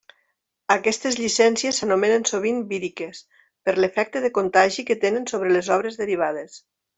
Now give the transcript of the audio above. Aquestes llicències s'anomenen sovint “víriques” per l'efecte de contagi que tenen sobre les obres derivades.